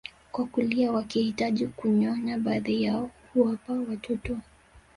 kwa kulia wakihitaji kunyonya baadhi yao huwapa watoto